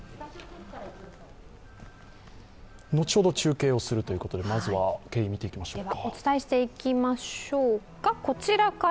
後ほど中継をするということで、まずは経緯を見ていきましょう。